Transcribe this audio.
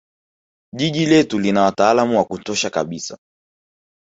jiji letu lina wataalam wa kutosha kabisa